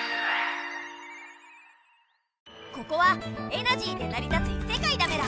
ここはエナジーでなり立ついせかいだメラ。